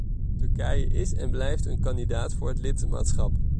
Turkije is en blijft een kandidaat voor het lidmaatschap.